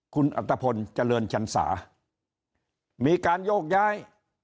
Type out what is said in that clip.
คุณอัตภพลเจริญชันสามีการโยกย้าย